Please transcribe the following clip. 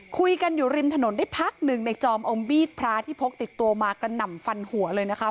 คุยกันอยู่ริมถนนได้พักหนึ่งในจอมเอามีดพระที่พกติดตัวมากระหน่ำฟันหัวเลยนะคะ